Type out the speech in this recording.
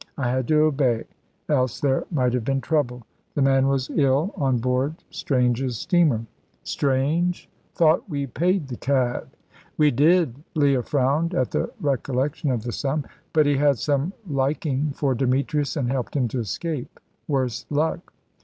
I had to obey, else there might have been trouble. The man was ill on board Strange's steamer." "Strange? Thought we paid the cad." "We did." Leah frowned at the recollection of the sum. "But he had some liking for Demetrius, and helped him to escape, worse luck."